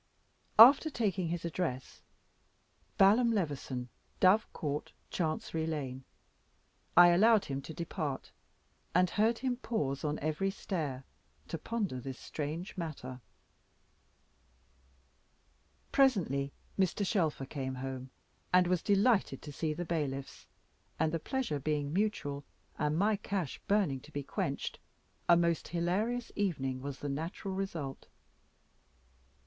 After taking his address, "Balaam Levison, Dove Court, Chancery Lane," I allowed him to depart, and heard him pause on every stair, to ponder this strange matter. Presently Mr. Shelfer came home, and was delighted to see the bailiffs; and the pleasure being mutual, and my cash burning to be quenched, a most hilarious evening was the natural result.